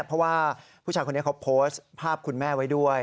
เพราะว่าผู้ชายคนนี้เขาโพสต์ภาพคุณแม่ไว้ด้วย